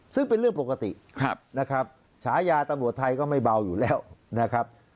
ซึ่งเป็นเรื่องปกตินะครับฉายาตำรวจไทยก็ไม่เบาอยู่แล้วนะครับ